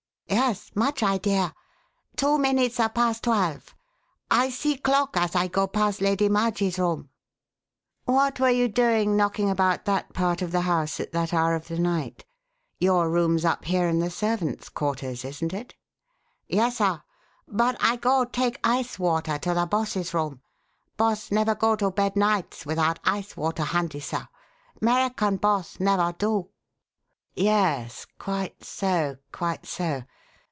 "Yes much idea. Two minutes a past twelve. I see clock as I go past Lady Marj'ie's room." "What were you doing knocking about that part of the house at that hour of the night? Your room's up here in the servant's quarters, isn't it?" "Yes, sir. But I go take ice water to the boss's room. Boss never go to bed nights without ice water handy, sir. 'Merican boss never do." "Yes! Quite so, quite so!